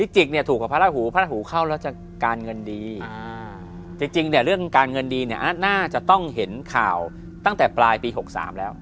จริงเนี่ยเรื่องการเงินดีเนี่ยน่าจะต้องเห็นข่าวตั้งแต่ปลายปี๖๓แล้ว